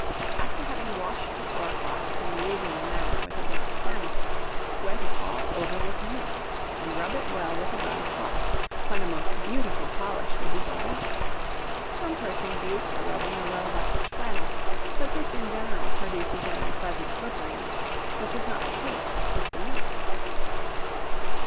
After having washed the floorcloth in the usual manner with a damp flannel, wet it all over with milk and rub it well with a dry cloth, when a most beautiful polish will be brought out. Some persons use for rubbing a well waxed flannel; but this in general produces an unpleasant slipperiness, which is not the case with the milk.